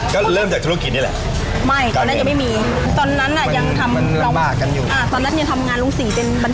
ก็หลักหวัดเราง่าย